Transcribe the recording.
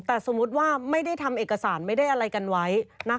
แต่สมมุติว่าไม่ได้ทำเอกสารไม่ได้อะไรกันไว้